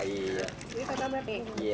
ini tanda mampu